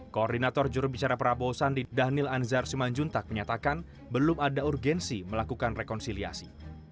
koordinator jurubicara prabowo sandi dhanil anzar simanjuntak menyatakan belum ada urgensi melakukan rekonsiliasi